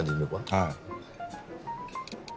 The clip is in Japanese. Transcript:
はい。